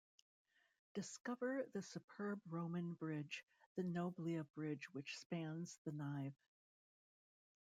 Discover the superb Roman bridge, the Noblia bridge which spans the Nive.